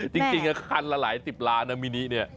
จริงคันละหลายสิบล้านนะมินิเนี่ย